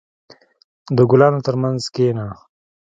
• د ګلانو ترمنځ کښېنه.